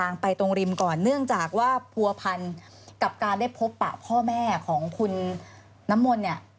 ไปตรงริมก่อนเนื่องจากว่าผัวพันกับการได้พบปะพ่อแม่ของคุณน้ำมนต์เนี่ย